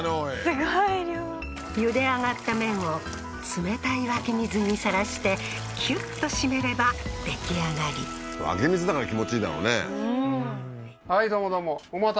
すごい量ゆで上がった麺を冷たい湧き水にさらしてキュッと締めれば出来上がり湧き水だから気持ちいいだろうねうんいやー